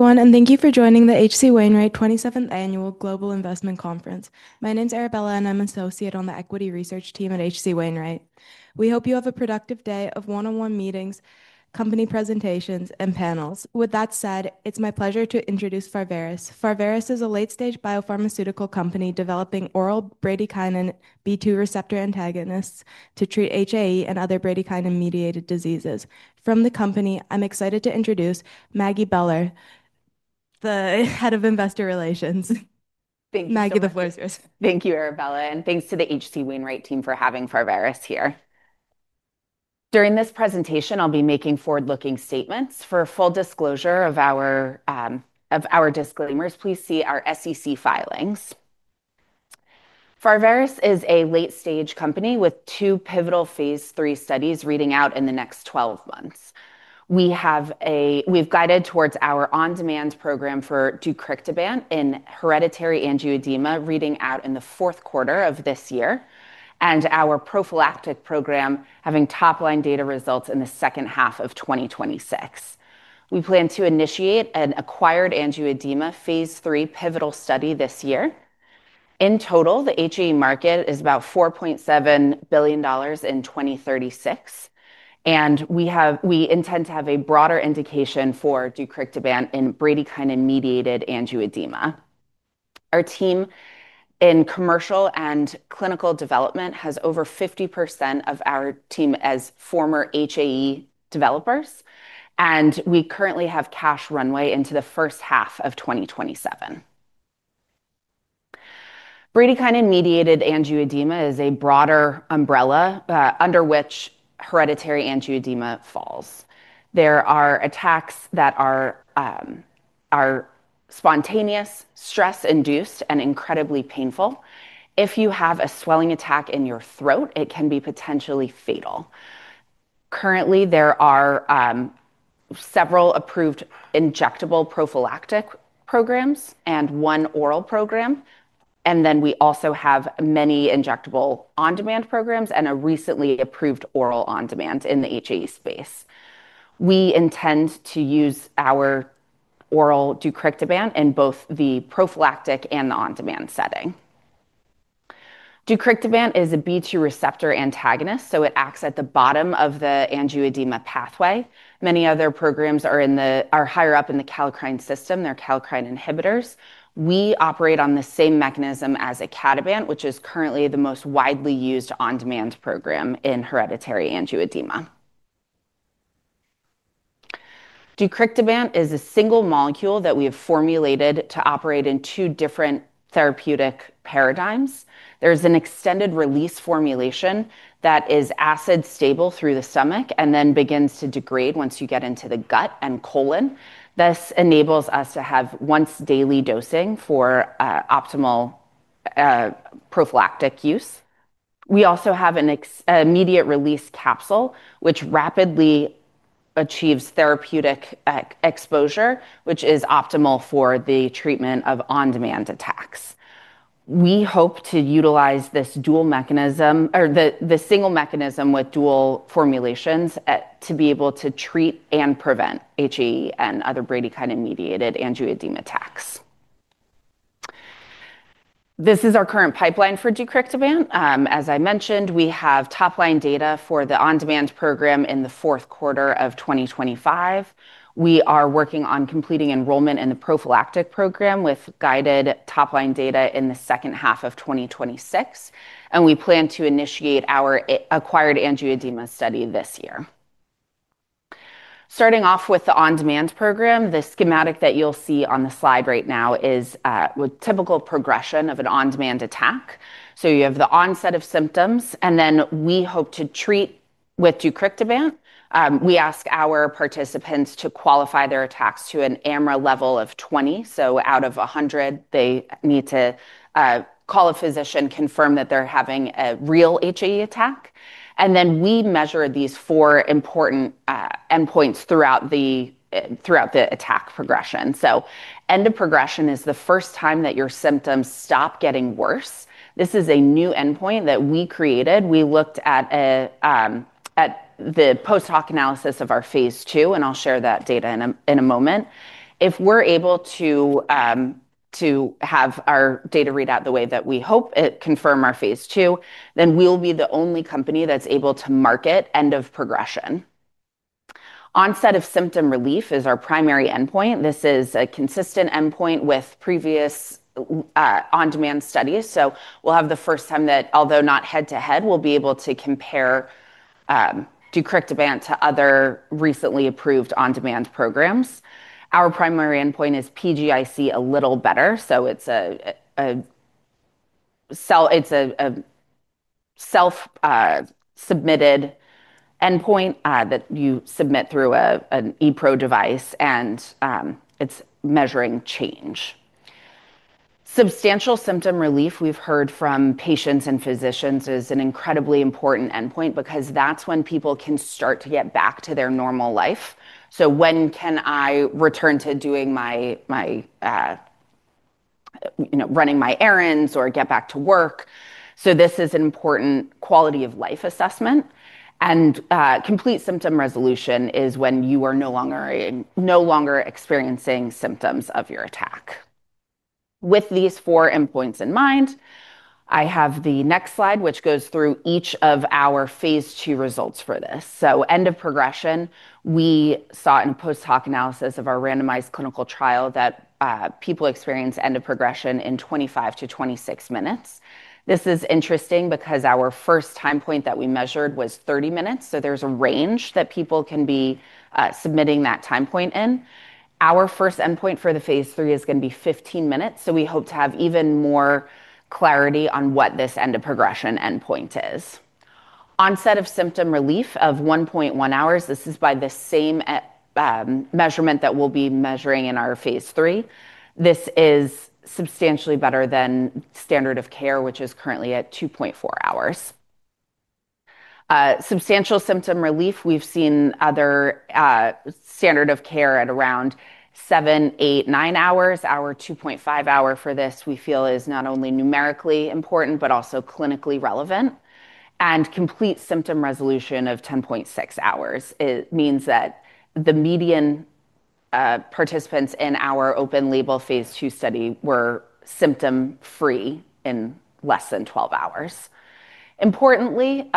Everyone, and thank you for joining the HC Wainwright 27th Annual Global Investment Conference. My name is Arabella, and I'm an associate on the Equity Research team at HC Wainwright. We hope you have a productive day of one-on-one meetings, company presentations, and panels. With that said, it's my pleasure to introduce Pharvaris. Pharvaris is a late-stage biopharmaceutical company developing oral bradykinin B2 receptor antagonists to treat HAE and other bradykinin-mediated diseases. From the company, I'm excited to introduce Maggie Beller, the Head of Investor Relations. Thank you. Maggie, the floor is yours. Thank you, Arabella, and thanks to the HC Wainwright team for having Pharvaris here. During this presentation, I'll be making forward-looking statements. For a full disclosure of our disclaimers, please see our SEC filings. Pharvaris is a late-stage company with two pivotal Phase 3 studies reading out in the next 12 months. We have guided towards our on-demand program for deucrictibant in hereditary angioedema reading out in the fourth quarter of this year, and our prophylactic program having top-line data results in the second half of 2026. We plan to initiate an acquired angioedema Phase 3 pivotal study this year. In total, the HAE market is about $4.7 billion in 2036, and we intend to have a broader indication for deucrictibant in bradykinin-mediated angioedema. Our team in commercial and clinical development has over 50% of our team as former HAE developers, and we currently have cash runway into the first half of 2027. Bradykinin-mediated angioedema is a broader umbrella under which hereditary angioedema falls. There are attacks that are spontaneous, stress-induced, and incredibly painful. If you have a swelling attack in your throat, it can be potentially fatal. Currently, there are several approved injectable prophylactic programs and one oral program, and then we also have many injectable on-demand programs and a recently approved oral on-demand in the HAE space. We intend to use our oral deucrictibant in both the prophylactic and the on-demand setting. Deucrictibant is a bradykinin B2 receptor antagonist, so it acts at the bottom of the angioedema pathway. Many other programs are higher up in the kallikrein system. They're kallikrein inhibitors. We operate on the same mechanism as icatibant, which is currently the most widely used on-demand program in hereditary angioedema. Deucrictibant is a single molecule that we have formulated to operate in two different therapeutic paradigms. There's an extended-release formulation that is acid stable through the stomach and then begins to degrade once you get into the gut and colon. This enables us to have once-daily dosing for optimal prophylactic use. We also have an immediate-release capsule, which rapidly achieves therapeutic exposure, which is optimal for the treatment of on-demand attacks. We hope to utilize this dual mechanism, or the single mechanism with dual formulations, to be able to treat and prevent HAE and other bradykinin-mediated angioedema attacks. This is our current pipeline for deucrictibant. As I mentioned, we have top-line data for the on-demand program in the fourth quarter of 2025. We are working on completing enrollment in the prophylactic program with guided top-line data in the second half of 2026, and we plan to initiate our acquired angioedema study this year. Starting off with the on-demand program, the schematic that you'll see on the slide right now is a typical progression of an on-demand attack. You have the onset of symptoms, and then we hope to treat with deucrictibant. We ask our participants to qualify their attacks to an AMRA level of 20. Out of 100, they need to call a physician, confirm that they're having a real HAE attack, and then we measure these four important endpoints throughout the attack progression. End of progression is the first time that your symptoms stop getting worse. This is a new endpoint that we created. We looked at the post-hoc analysis of our Phase II, and I'll share that data in a moment. If we're able to have our data read out the way that we hope, confirm our Phase II, then we'll be the only company that's able to market end of progression. Onset of symptom relief is our primary endpoint. This is a consistent endpoint with previous on-demand studies. We'll have the first time that, although not head-to-head, we'll be able to compare deucrictibant to other recently approved on-demand programs. Our primary endpoint is PGIC a little better. It's a self-submitted endpoint that you submit through an ePro device, and it's measuring change. Substantial symptom relief we've heard from patients and physicians is an incredibly important endpoint because that's when people can start to get back to their normal life. When can I return to running my errands or get back to work? This is an important quality of life assessment. Complete symptom resolution is when you are no longer experiencing symptoms of your attack. With these four endpoints in mind, I have the next slide, which goes through each of our Phase II results for this. End of progression, we saw in the post-hoc analysis of our randomized clinical trial that people experience end of progression in 25 to 26 minutes. This is interesting because our first time point that we measured was 30 minutes. There's a range that people can be submitting that time point in. Our first endpoint for the Phase III is going to be 15 minutes. We hope to have even more clarity on what this end of progression endpoint is. Onset of symptom relief of 1.1 hours. This is by the same measurement that we'll be measuring in our Phase III. This is substantially better than standard of care, which is currently at 2.4 hours. Substantial symptom relief, we've seen other standard of care at around 7, 8, 9 hours. Our 2.5-hour for this, we feel, is not only numerically important but also clinically relevant. Complete symptom resolution of 10.6 hours. It means that the median participants in our open-label Phase II study were symptom-free in less than 12 hours. Importantly,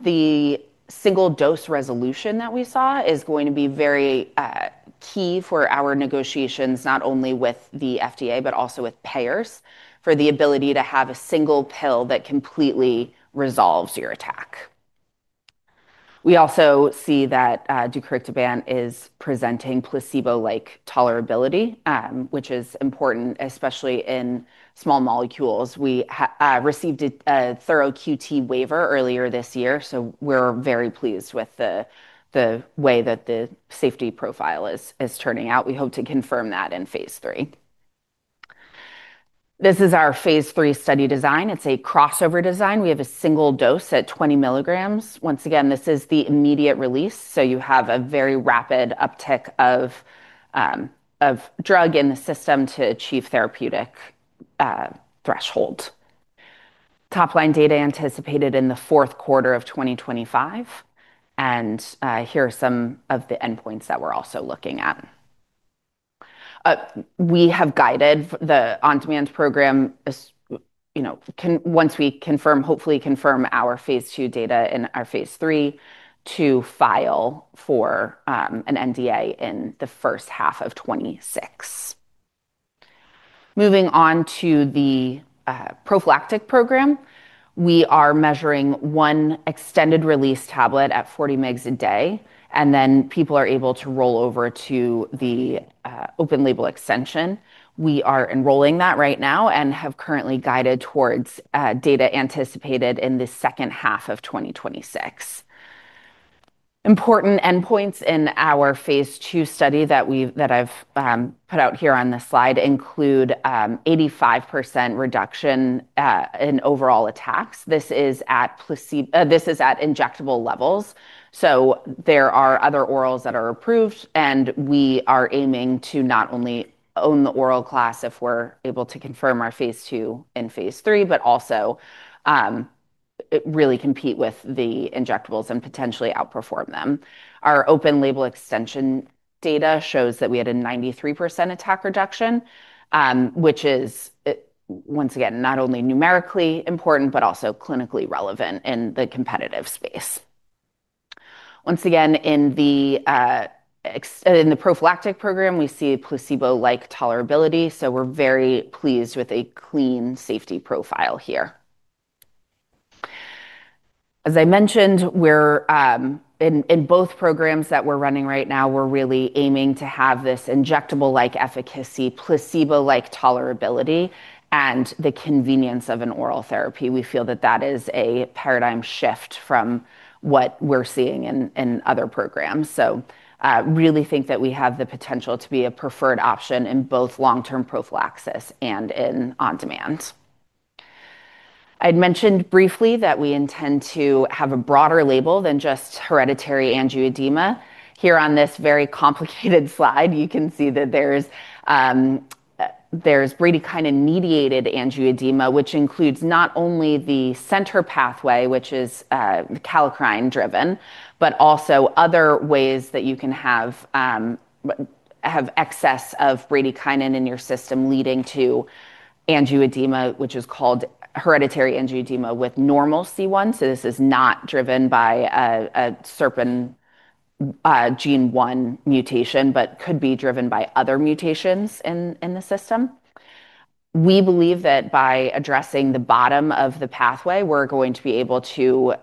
the single-dose resolution that we saw is going to be very key for our negotiations, not only with the FDA but also with payers, for the ability to have a single pill that completely resolves your attack. We also see that deucrictibant is presenting placebo-like tolerability, which is important, especially in small molecules. We received a thorough QT waiver earlier this year. We are very pleased with the way that the safety profile is turning out. We hope to confirm that in Phase III. This is our Phase III study design. It's a crossover design. We have a single dose at 20 milligrams. Once again, this is the immediate-release. You have a very rapid uptick of drug in the system to achieve therapeutic threshold. Top-line data anticipated in the fourth quarter of 2025. Here are some of the endpoints that we're also looking at. We have guided the on-demand program, once we hopefully confirm our Phase II data in our Phase III, to file for an NDA in the first half of 2026. Moving on to the prophylactic program, we are measuring one extended-release tablet at 40 mg a day, and then people are able to roll over to the open-label extension. We are enrolling that right now and have currently guided towards data anticipated in the second half of 2026. Important endpoints in our Phase II study that I've put out here on this slide include 85% reduction in overall attacks. This is at injectable levels. There are other orals that are approved, and we are aiming to not only own the oral class if we're able to confirm our Phase II in Phase III, but also really compete with the injectables and potentially outperform them. Our open-label extension data shows that we had a 93% attack reduction, which is, once again, not only numerically important but also clinically relevant in the competitive space. Once again, in the prophylactic program, we see placebo-like tolerability. We're very pleased with a clean safety profile here. As I mentioned, in both programs that we're running right now, we're really aiming to have this injectable-like efficacy, placebo-like tolerability, and the convenience of an oral therapy. We feel that that is a paradigm shift from what we're seeing in other programs. I really think that we have the potential to be a preferred option in both long-term prophylaxis and in on-demand. I'd mentioned briefly that we intend to have a broader label than just hereditary angioedema. Here on this very complicated slide, you can see that there's bradykinin-mediated angioedema, which includes not only the center pathway, which is calcineurin-driven, but also other ways that you can have excess of bradykinin in your system leading to angioedema, which is called hereditary angioedema with normal C1. This is not driven by a SERPING1 gene mutation but could be driven by other mutations in the system. We believe that by addressing the bottom of the pathway, we're going to be able to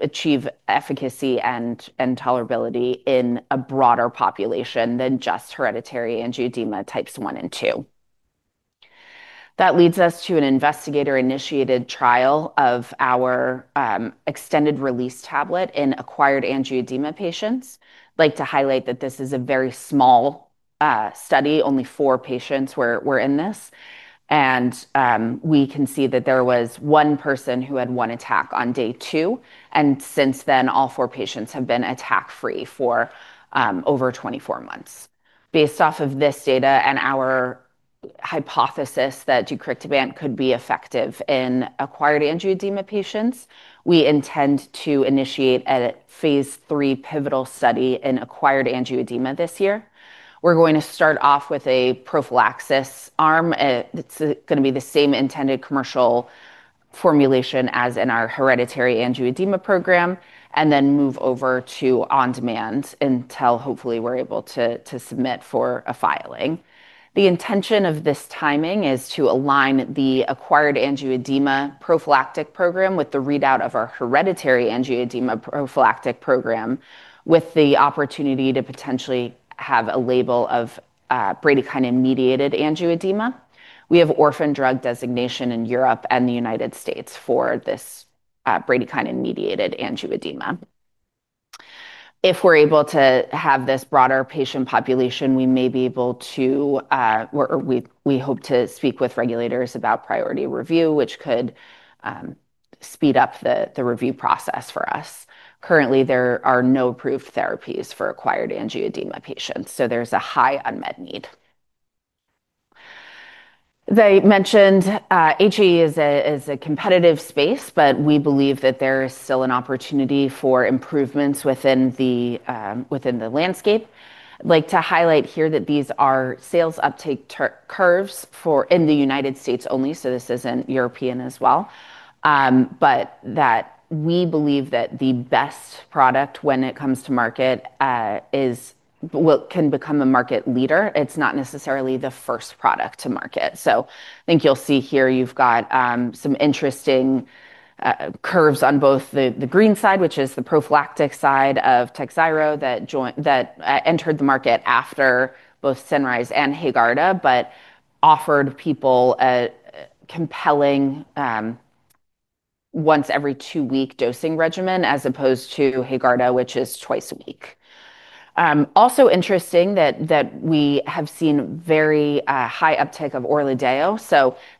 achieve efficacy and tolerability in a broader population than just hereditary angioedema types I and II. That leads us to an investigator-initiated trial of our extended-release tablet in acquired angioedema patients. I'd like to highlight that this is a very small study. Only four patients were in this, and we can see that there was one person who had one attack on day two. Since then, all four patients have been attack-free for over 24 months. Based off of this data and our hypothesis that deucrictibant could be effective in acquired angioedema patients, we intend to initiate a Phase 3 pivotal study in acquired angioedema this year. We're going to start off with a prophylaxis arm. It's going to be the same intended commercial formulation as in our hereditary angioedema program and then move over to on-demand until hopefully we're able to submit for a filing. The intention of this timing is to align the acquired angioedema prophylactic program with the readout of our hereditary angioedema prophylactic program with the opportunity to potentially have a label of bradykinin-mediated angioedema. We have orphan drug designation in Europe and the U.S. for this bradykinin-mediated angioedema. If we're able to have this broader patient population, we may be able to, or we hope to speak with regulators about priority review, which could speed up the review process for us. Currently, there are no approved therapies for acquired angioedema patients. There's a high unmet need. As I mentioned, HAE is a competitive space, but we believe that there is still an opportunity for improvements within the landscape. I'd like to highlight here that these are sales uptake curves in the U.S. only. This isn't European as well. We believe that the best product when it comes to market can become a market leader. It's not necessarily the first product to market. I think you'll see here you've got some interesting curves on both the green side, which is the prophylactic side of Takhzyro that entered the market after both Cinryze and Haegarda, but offered people a compelling once-every-two-week dosing regimen as opposed to Haegarda, which is twice a week. Also interesting that we have seen very high uptake of Orladeyo.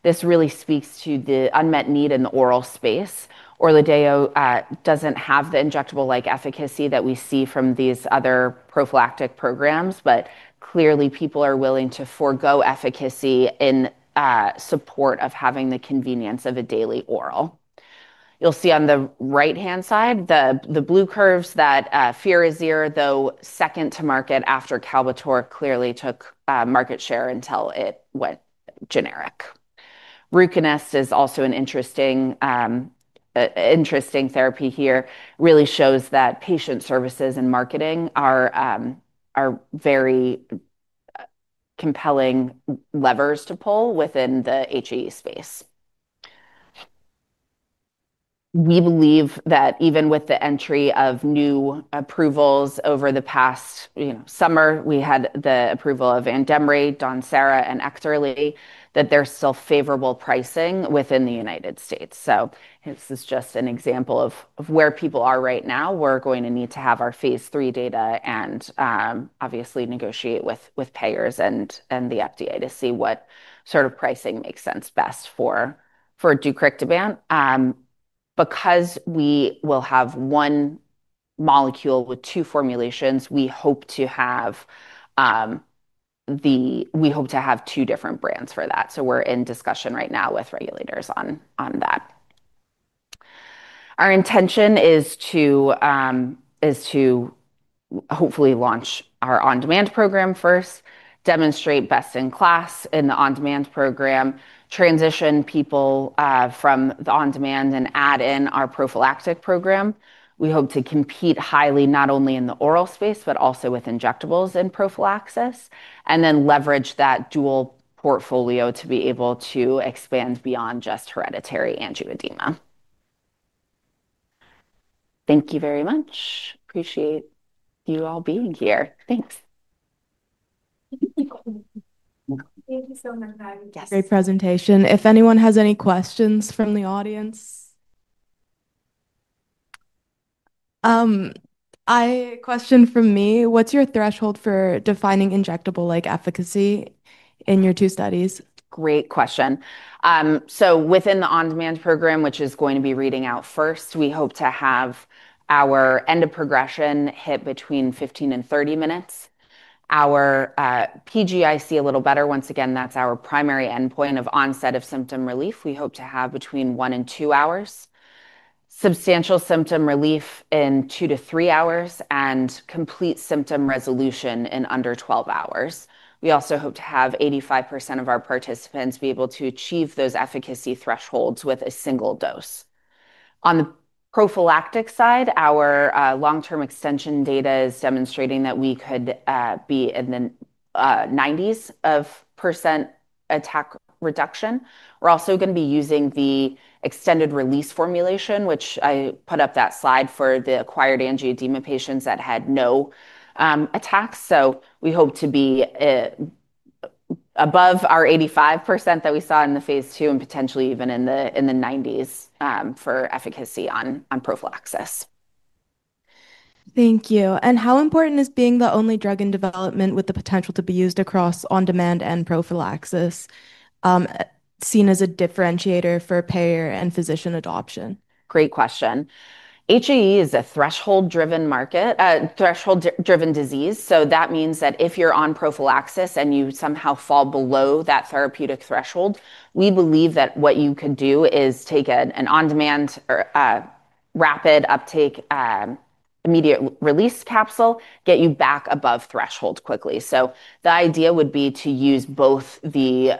This really speaks to the unmet need in the oral space. Orladeyo doesn't have the injectable-like efficacy that we see from these other prophylactic programs, but clearly, people are willing to forego efficacy in support of having the convenience of a daily oral. You'll see on the right-hand side the blue curves that Firazyr, though second to market after Kalbitor, clearly took market share until it went generic. Ruconest is also an interesting therapy here. It really shows that patient services and marketing are very compelling levers to pull within the HAE space. We believe that even with the entry of new approvals over the past summer, we had the approval of Enjaymo, Donnatal, and Ecallantide, that there's still favorable pricing within the U.S. This is just an example of where people are right now. We're going to need to have our Phase 3 data and obviously negotiate with payers and the FDA to see what sort of pricing makes sense best for deucrictibant. Because we will have one molecule with two formulations, we hope to have two different brands for that. We're in discussion right now with regulators on that. Our intention is to hopefully launch our on-demand program first, demonstrate best in class in the on-demand program, transition people from the on-demand, and add in our prophylactic program. We hope to compete highly not only in the oral space but also with injectables and prophylaxis, and then leverage that dual portfolio to be able to expand beyond just hereditary angioedema. Thank you very much. Appreciate you all being here. Thanks. Thank you so much, Maggie. Yes. Great presentation. If anyone has any questions from the audience? A question from me. What's your threshold for defining injectable-like efficacy in your two studies? Great question. Within the on-demand program, which is going to be reading out first, we hope to have our end of progression hit between 15 and 30 minutes. Our PGIC a little better. Once again, that's our primary endpoint of onset of symptom relief. We hope to have between 1 and 2 hours, substantial symptom relief in 2 to 3 hours, and complete symptom resolution in under 12 hours. We also hope to have 85% of our participants be able to achieve those efficacy thresholds with a single dose. On the prophylactic side, our long-term extension data is demonstrating that we could be in the 90% of attack reduction. We're also going to be using the extended-release formulation, which I put up that slide for the acquired angioedema patients that had no attacks. We hope to be above our 85% that we saw in the Phase II and potentially even in the 90% for efficacy on prophylaxis. Thank you. How important is being the only drug in development with the potential to be used across on-demand and prophylactic, seen as a differentiator for payer and physician adoption? Great question. HAE is a threshold-driven disease. That means if you're on prophylaxis and you somehow fall below that therapeutic threshold, we believe that what you could do is take an on-demand rapid uptake immediate-release capsule, get you back above threshold quickly. The idea would be to use both the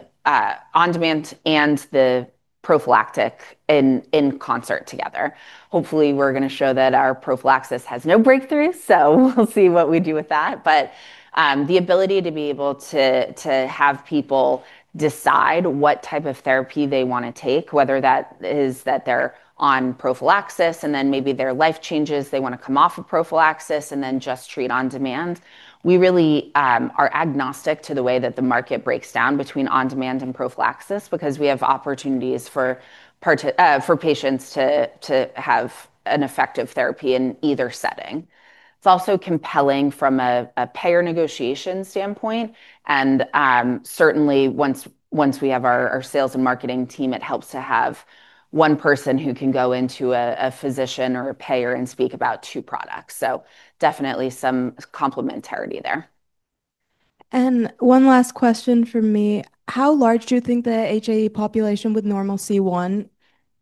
on-demand and the prophylactic in concert together. Hopefully, we're going to show that our prophylaxis has no breakthroughs. We will see what we do with that. The ability to be able to have people decide what type of therapy they want to take, whether that is that they're on prophylaxis and then maybe their life changes, they want to come off of prophylaxis and then just treat on-demand. We really are agnostic to the way that the market breaks down between on-demand and prophylaxis because we have opportunities for patients to have an effective therapy in either setting. It's also compelling from a payer negotiation standpoint. Certainly, once we have our sales and marketing team, it helps to have one person who can go into a physician or a payer and speak about two products. Definitely some complementarity there. One last question from me. How large do you think the HAE population with normal C1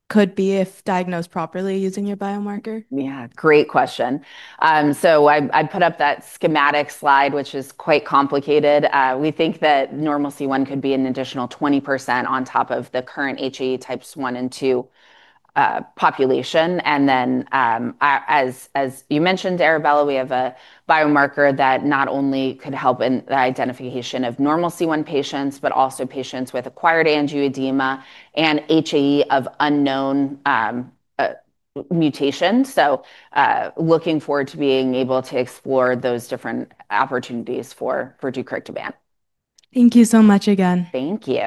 could be if diagnosed properly using your biomarker? Yeah, great question. I put up that schematic slide, which is quite complicated. We think that normal C1 could be an additional 20% on top of the current HAE types I and II population. As you mentioned, Arabella, we have a biomarker that not only could help in the identification of normal C1 patients but also patients with acquired angioedema and HAE of unknown mutations. Looking forward to being able to explore those different opportunities for deucrictibant. Thank you so much again. Thank you.